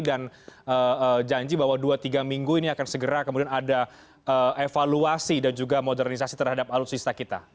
dan janji bahwa dua tiga minggu ini akan segera kemudian ada evaluasi dan juga modernisasi terhadap alutsista kita